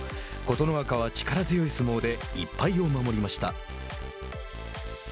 琴ノ若は力強い相撲で１敗を守りました。